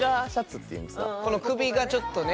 首がちょっとね